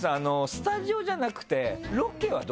スタジオじゃなくて。